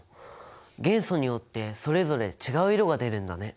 元素によってそれぞれ違う色が出るんだね。